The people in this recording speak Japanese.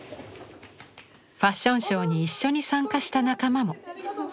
ファッションショーに一緒に参加した仲間も。